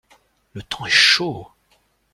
Le temps est chaud.